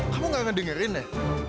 kamu gak ngedengerin ya